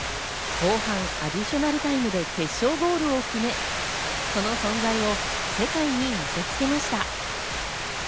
後半アディショナルタイムで決勝ゴールを決め、その存在を世界に見せ付けました。